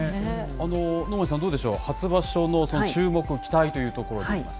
能町さん、どうでしょう、初場所の注目の期待というところで言いますと。